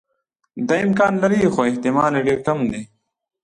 دا امکان لري خو احتمال یې ډېر کم دی.